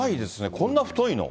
こんな太いの？